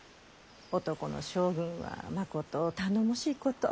男の将軍はまこと頼もしいこと。